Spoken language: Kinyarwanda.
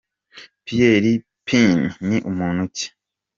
Pierre Pean ni muntu ki ?